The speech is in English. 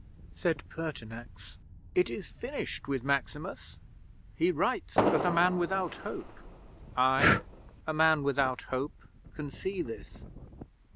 _" 'Said Pertinax: "It is finished with Maximus. He writes as a man without hope. I, a man without hope, can see this.